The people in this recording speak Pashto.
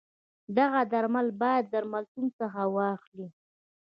دغه درمل باید درملتون څخه واخلی.